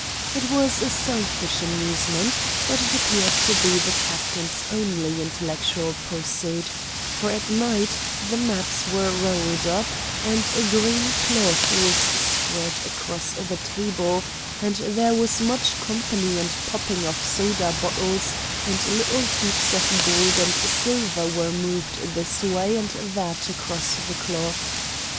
It was a selfish amusement, but it appeared to be the Captain's only intellectual pursuit, for at night, the maps were rolled up, and a green cloth was spread across the table, and there was much company and popping of soda bottles, and little heaps of gold and silver were moved this way and that across the cloth.